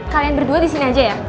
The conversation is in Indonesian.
kalian berdua disini aja ya